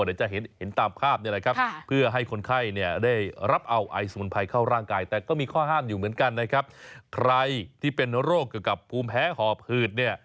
ใครที่เป็นโรคเกี่ยวกับภูมิแพ้หอผืด